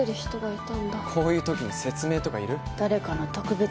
こういう時に説明とかいる？